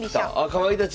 あかまいたち！